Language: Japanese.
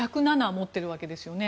持っているわけですよね。